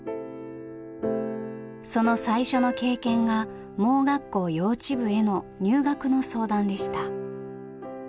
その最初の経験が盲学校幼稚部への入学の相談でした。